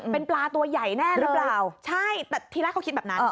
เป็นปลาตัวใหญ่แน่หรือเปล่าใช่แต่ที่แรกเขาคิดแบบนั้น